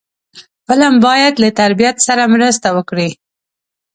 فلم باید له تربیت سره مرسته وکړي